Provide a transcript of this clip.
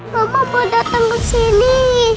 mama mau datang ke sini